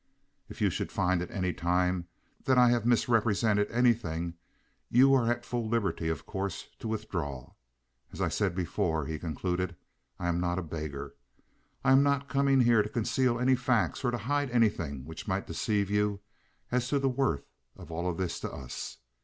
If you should find at any time that I have misrepresented anything you are at full liberty, of course, to withdraw. As I said before," he concluded, "I am not a beggar. I am not coming here to conceal any facts or to hide anything which might deceive you as to the worth of all this to us.